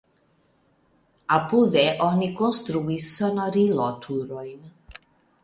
Apude oni konstruis sonoriloturojn.